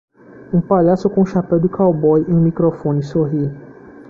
Um palhaço com um chapéu de cowboy e um microfone sorri.